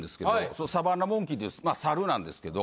そのサバンナモンキーでまあサルなんですけど。